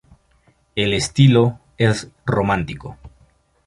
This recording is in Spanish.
El estilo es romántico.